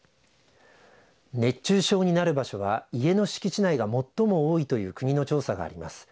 熱中症になる場所は家の敷地内が最も多いという国の調査があります。